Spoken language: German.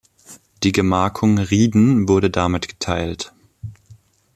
Die Gemarkung Rieden wurde damit geteilt.